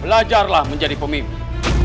belajarlah menjadi pemimpin